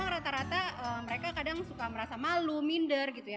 rata rata mereka kadang suka merasa malu minder gitu ya